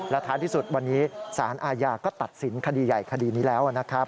และท้ายที่สุดวันนี้สารอาญาก็ตัดสินคดีใหญ่คดีนี้แล้วนะครับ